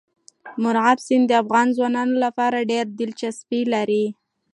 مورغاب سیند د افغان ځوانانو لپاره ډېره دلچسپي لري.